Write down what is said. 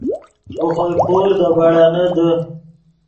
ڤے خوئے پور دے بیڑینے دے